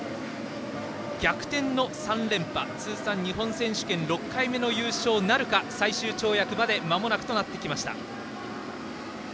逆転の３連覇通算、日本選手権での６回目の優勝なるか最終跳躍までまもなくとなりました。